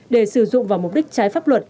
để sử dụng vào mục đích trái pháp luật